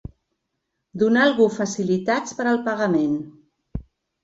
Donar a algú facilitats per al pagament.